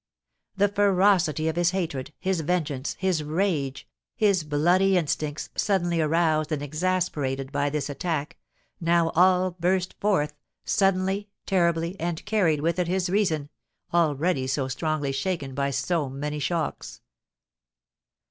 The ferocity of his hatred, his vengeance, his rage, his bloody instincts, suddenly aroused and exasperated by this attack, now all burst forth suddenly, terribly, and carried with it his reason, already so strongly shaken by so many shocks.